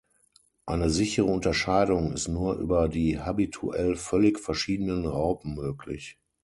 Eine sichere Unterscheidung ist nur über die habituell völlig verschiedenen Raupen möglich.